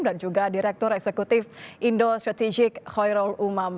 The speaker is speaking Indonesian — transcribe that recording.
dan juga direktur eksekutif indo strategik khoirol umam